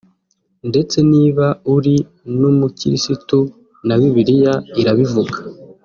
ndetse niba uri n’Umukirisitu na Bibiliya irabivuga